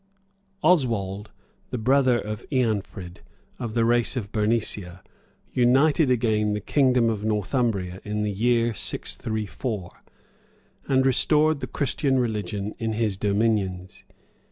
Oswald, the brother of Eanfrid, of the race of Bernicia, united again the kingdom of Northumberland in the year 634, and restored the Christian religion in his dominions.